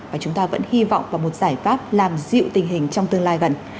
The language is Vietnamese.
và chúng ta vẫn hy vọng vào một giải pháp làm dịu tình hình trong tương lai gần